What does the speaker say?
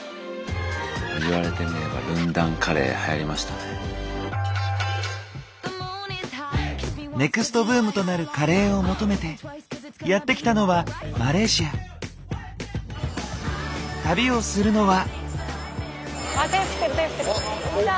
言われてみれば「ネクストブームとなるカレー」を求めてやって来たのは旅をするのは。